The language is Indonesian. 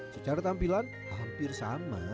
secara tampilan hampir sama